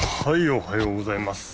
おはようございます。